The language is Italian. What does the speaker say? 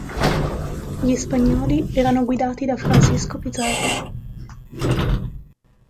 Gli spagnoli erano guidati da Francisco Pizarro.